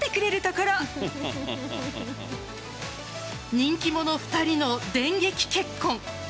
人気者２人の電撃結婚。